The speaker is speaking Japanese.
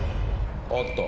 あった。